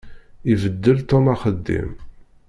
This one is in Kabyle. Ibeddel Tom axeddim.